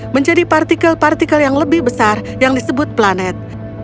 menjadi partikel partikel yang lebih besar yang disebut planet